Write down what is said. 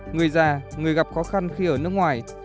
người già người gặp khó khăn khi ở nước ngoài